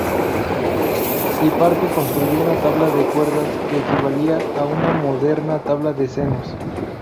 Hiparco construyó una tabla de "cuerdas", que equivalía a una moderna tabla de senos.